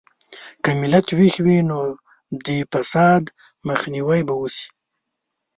که ملت ویښ وي، نو د فساد مخنیوی به وشي.